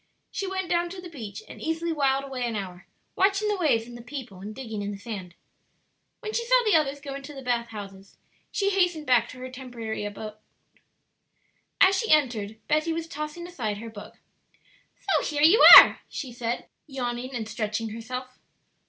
She went down to the beach and easily whiled away an hour watching the waves and the people, and digging in the sand. When she saw the others going to the bath houses she hastened back to her temporary home. As she entered Betty was tossing aside her book. "So here you are!" she said, yawning and stretching herself.